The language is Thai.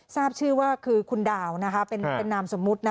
ทราบชื่อว่าคือคุณดาวเป็นนามสมมุติ